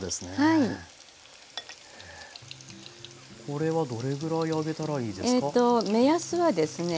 これはどれぐらい揚げたらいいですか？